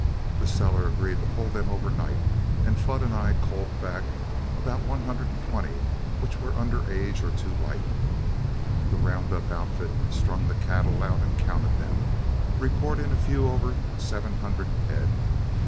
The seller agreed to hold them overnight, and Flood and I culled back about one hundred and twenty which were under age or too light. The round up outfit strung the cattle out and counted them, reporting a few over seven hundred head.